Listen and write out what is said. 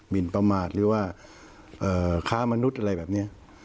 นประมาทหรือว่าค้ามนุษย์อะไรแบบนี้